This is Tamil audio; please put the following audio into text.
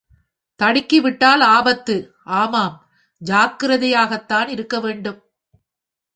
தடுக்கிவிட்டால் ஆபத்து... ஆமாம், ஜாக்கிரதையாகத்தான் இருக்கவேண்டும்!